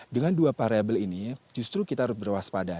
dengan dua variabel ini justru kita harus berwaspada